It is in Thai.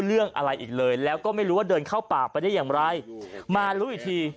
เรื่องอะไรอีกเลยแล้วก็ไม่รู้ว่าเดินเข้าป่าไปได้อย่างไรมารู้อีกที